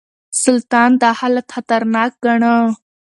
سلطان دا حالت خطرناک ګاڼه.